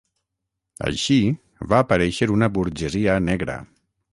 Així, va aparéixer una burgesia negra.